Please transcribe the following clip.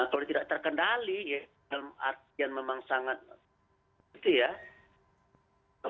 kalau tidak terkendali ya artinya memang sangat gitu ya